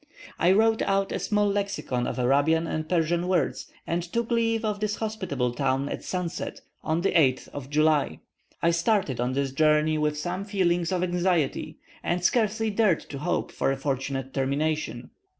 I wrote out a small lexicon of Arabian and Persian words, and took leave of this hospitable family at sunset, on the 8th of July. I started on this journey with some feelings of anxiety, and scarcely dared to hope for a fortunate termination.